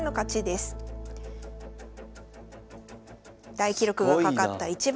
大記録がかかった一番。